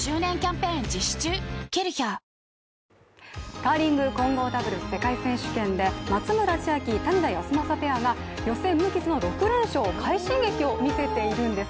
カーリング、混合ダブルス世界選手権で松村千秋、谷田康真ペアが予選無傷の６連勝、快進撃を見せているんです。